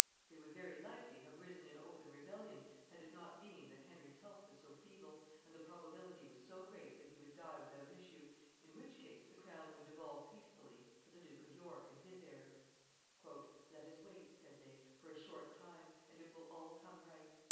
They would very likely have risen in open rebellion had it not been that Henry's health was so feeble, and the probability was so great that he would die without issue in which case the crown would devolve peacefully to the Duke of York and his heirs. [Sidenote: The people willing to wait.] "Let us wait," said they, "for a short time, and it will all come right.